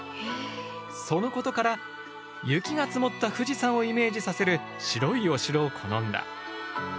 そのことから雪が積もった富士山をイメージさせる白いお城を好んだ。